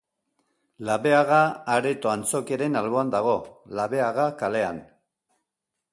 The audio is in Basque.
Labeaga areto-antzokiaren alboan dago, Labeaga kalean.